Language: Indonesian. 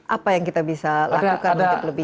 apa yang kita bisa lakukan untuk lebih